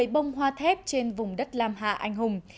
một mươi bông hoa thép trên vùng đất lam hạ anh hùng